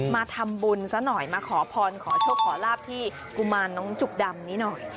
มาทำบุญซะหน่อยมาขอพรขอโชคขอลาบที่กุมารน้องจุกดำนี้หน่อย